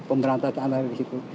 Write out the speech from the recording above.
pemberantasan ada di situ